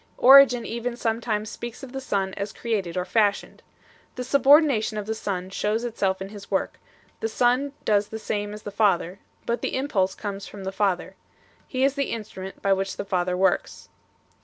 Origen even sometimes speaks of the Son as created or fashioned. The subordination of the Son shows itself in His work, the Son does the same as the Father, but the impulse comes from the Father; He is the in strument by which the Father works.